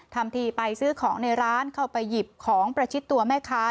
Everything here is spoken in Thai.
ทำทีไปซื้อของในร้านเข้าไปหยิบของประชิดตัวแม่ค้า